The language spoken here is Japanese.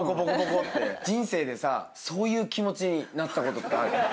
人生でさそういう気持ちになったことってある？